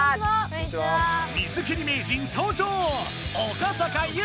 水切り名人登場！